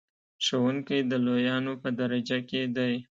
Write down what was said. ښوونکی د لویانو په درجه کې دی.